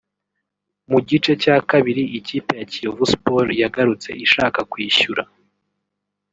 Mu gice cya kabiri ikipe ya Kiyovu Sports yagarutse ishaka kwishyura